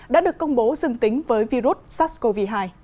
đã được công bố dừng tính với virus sars cov hai